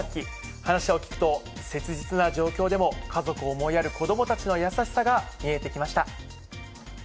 話を聞くと、切実な状況でも、家族を思いやる子どもたちの優しさが見えてきました。